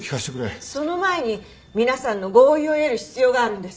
その前に皆さんの合意を得る必要があるんです。